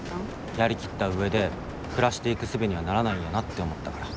やりきった上で暮らしていくすべにはならないんやなって思ったから。